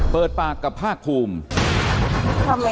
เปิดปากกับภาคภูมิ